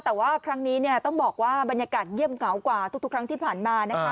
แต่ว่าครั้งนี้ต้องบอกว่าบรรยากาศเงียบเหงากว่าทุกครั้งที่ผ่านมานะคะ